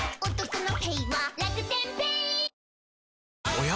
おや？